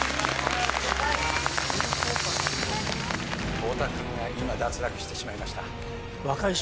太田君が今脱落してしまいました。